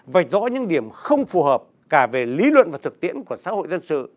vạch rõ những điểm không phù hợp cả về lý luận và thực tiễn của xã hội dân sự